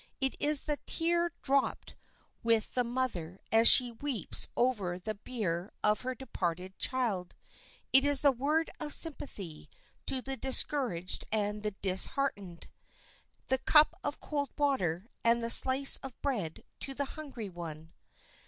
It is the tear dropped with the mother as she weeps over the bier of her departed child; it is the word of sympathy to the discouraged and the disheartened, the cup of cold water and the slice of bread to the hungry one.